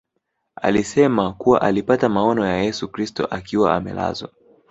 Alisema kuwa alipata maono ya Yesu Kristo akiwa amelazwa